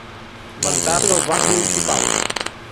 Vantar-se dels bans municipals.